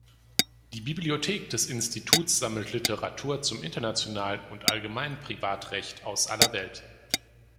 Die Bibliothek des Instituts sammelt Literatur zum internationalen und allgemeinen Privatrecht aus aller Welt.